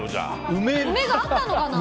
梅があったのかな？